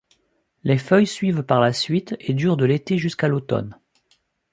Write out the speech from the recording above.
Les feuilles suivent par la suite et durent de l'été jusqu'à l'automne.